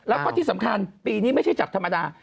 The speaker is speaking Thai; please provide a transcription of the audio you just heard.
แล้วก็ที่สำคัญปีนี้ไม่ใช่จับธรรมดา